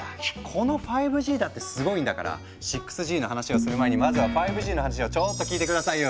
この５Ｇだってすごいんだから６Ｇの話をする前にまずは５Ｇの話をちょっと聞いて下さいよ。